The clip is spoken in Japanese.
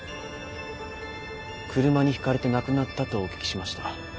車にひかれて亡くなったとお聞きしました。